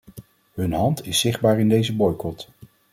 Hun hand is zichtbaar in deze boycot.